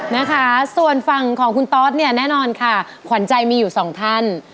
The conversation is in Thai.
นะคะส่วนฝั่งของคุณตอสเนี่ยแน่นอนค่ะขวัญใจมีอยู่สองท่าน